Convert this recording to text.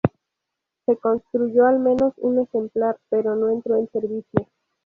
Se construyó al menos un ejemplar, pero no entró en servicio.